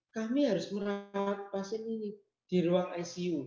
kami harus merawat pasien ini di ruang icu